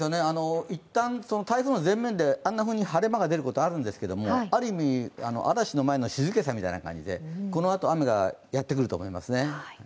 いったん台風の前面で晴れ間が出ることはあるんですけれどもある意味、嵐の前の静けさみたいな感じでこのあと雨がやってくると思いますね。